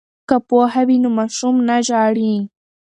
که پوهه وي نو ماشوم نه ژاړي.